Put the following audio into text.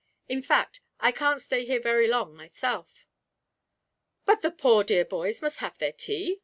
In fact, I can't stay here very long myself.' 'But the poor dear boys must have their tea!'